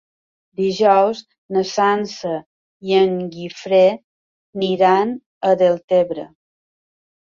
Dijous na Sança i en Guifré aniran a Deltebre.